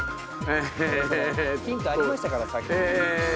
ヒントありましたからさっき。